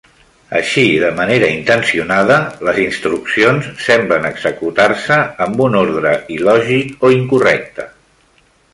Així, de manera intencionada, les instruccions semblen executar-se amb un ordre il·lògic o incorrecte.